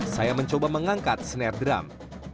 saya mencoba mengangkat snare drum